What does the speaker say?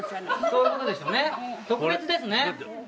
そういうことですよね特別ですね。